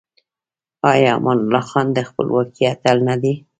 آیا امان الله خان د خپلواکۍ اتل نه دی؟